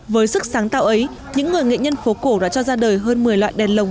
với sức sáng tạo ấy những người nghệ nhân phố cổ đã cho ra đời hơn một mươi loại đèn lồng